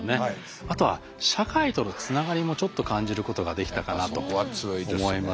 あとは社会とのつながりもちょっと感じることができたかなと思います。